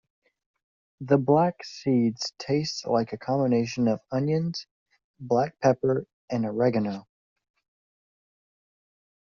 The black seeds taste like a combination of onions, black pepper and oregano.